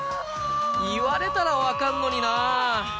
言われたら分かんのにな。